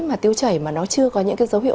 mà tiêu chảy mà nó chưa có những cái dấu hiệu